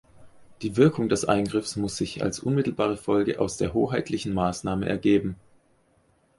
Die Wirkung des Eingriffs muss sich als unmittelbare Folge aus der hoheitlichen Maßnahme ergeben.